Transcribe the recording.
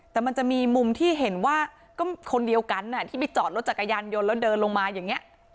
แต่มันจะมีมุมที่เห็นว่าก็คนเดียวกันที่ไปจอดรถจักรยานยนต์แล้วเดินลงมาอย่างนี้